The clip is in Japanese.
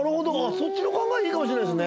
そっちの考えいいかもしれないですね